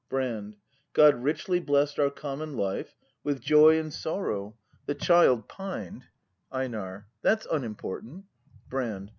Brand. God richly bless'd our common life With joy and sorrow: The child pined Einar. That's unimportant Brand.